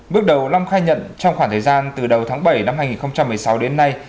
bước đầu long khai nhận trong khoảng thời gian từ đầu tháng bảy năm hai nghìn một mươi sáu đến nay